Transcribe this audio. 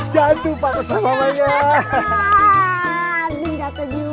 jatuh pak kesempatannya